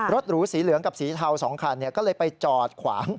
หรูสีเหลืองกับสีเทา๒คันก็เลยไปจอดขวาง